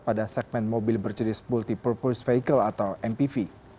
pada segmen mobil berjadis multi purpose vehicle atau mpv